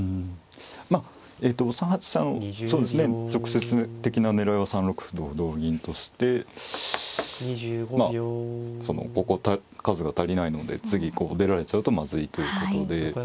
まあえと３八飛車の直接的な狙いは３六歩同歩同銀としてまあここ数が足りないので次こう出られちゃうとまずいということで。